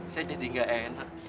saya jadi gak enak